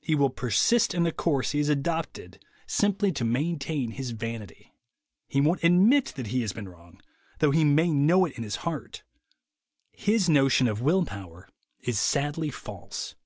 He will persist in a course he has adopted simply to maintain his vanity. He won't admit that he has been wrong, though he may know it in his heart. His notion of will power is sadly false.